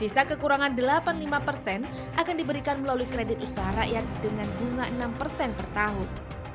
sisa kekurangan delapan puluh lima persen akan diberikan melalui kredit usaha rakyat dengan bunga enam persen per tahun